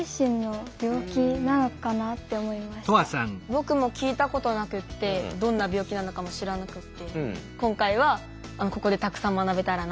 僕も聞いたことなくってどんな病気なのかも知らなくって今回はここでたくさん学べたらなって。